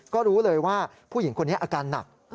ก็รู้เลยว่าผู้หญิงคนนี้อาการหนัก